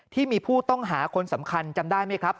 ที่มีผู้ต้องหาคนสำคัญจำได้ไหมครับ